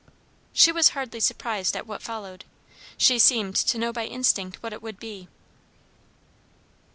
She was hardly surprised at what followed; she seemed to know by instinct what it would be.